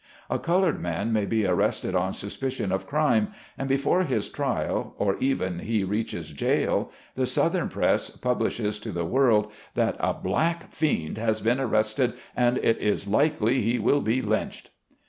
A colored man may be arrested on suspicion of crime, and before his trial or even he reaches jail, the southern press publishes to the world, that "a black fiend has been arrested, and it is likely he will be lynched."